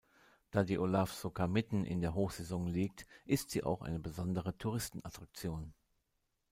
Da die Ólavsøka mitten in der Hochsaison liegt, ist sie auch eine besondere Touristenattraktion.